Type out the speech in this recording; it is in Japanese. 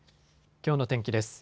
きょうの天気です。